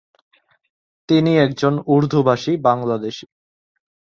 তিনি একজন উর্দুভাষী বাংলাদেশি।